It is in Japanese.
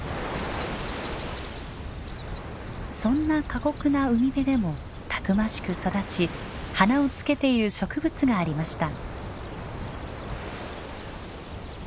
そんな過酷な海辺でもたくましく育ち花をつけている植物がありました。